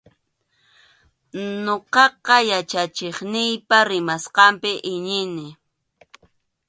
Ñuqaqa yachachiqniypa rimasqanpi iñini.